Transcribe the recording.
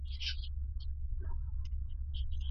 احمد چي بېدېدی خوب یې لیدی.